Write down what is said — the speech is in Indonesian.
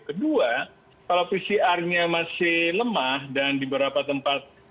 kedua kalau pcr nya masih lemah dan di beberapa tempat